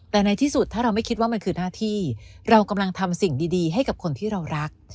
แต่ในที่สุดถ้าเราไม่คิดว่ามันคือหน้าที่เรากำลังทำสิ่งดีให้กับคนที่เรารัก